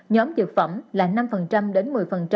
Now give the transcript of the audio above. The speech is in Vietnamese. nhóm dược phẩm là năm đến một mươi